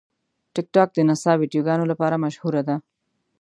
ټیکټاک د نڅا ویډیوګانو لپاره مشهوره ده.